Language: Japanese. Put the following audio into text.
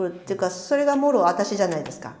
それがもろ私じゃないですか。